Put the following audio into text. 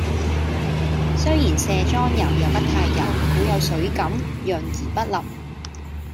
雖然卸妝油又不太油，好有水感，潤而不笠